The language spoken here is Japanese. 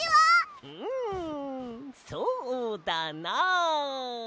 んそうだな。